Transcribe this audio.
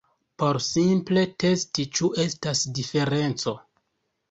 Por simple testi ĉu estas diferenco